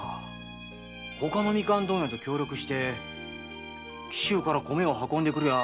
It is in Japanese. ほかのみかん問屋と協力して紀州から米を運んでくりゃ